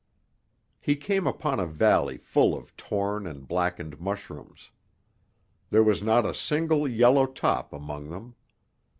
He came upon a valley full of torn and blackened mushrooms. There was not a single yellow top among them.